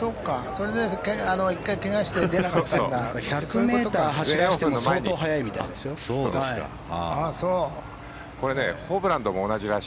それで１回けがして出なかったんだ。